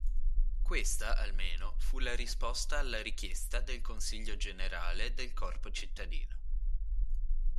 Questa almeno fu la risposta alla richiesta del Consiglio generale del Corpo cittadino.